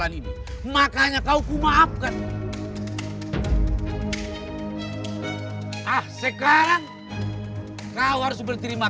nanti saya copot bapak ya susah bapak